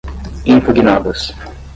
impugnadas